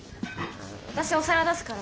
私お皿出すから飲み物。